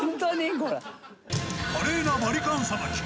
これ華麗なバリカンさばき